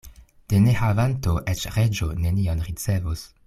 De nehavanto eĉ reĝo nenion ricevos.